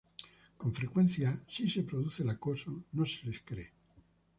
Con frecuencia, si se produce el acoso, no se les cree.